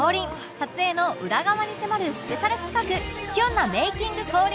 撮影の裏側に迫るスペシャル企画『きゅん♥なメイキング降臨！』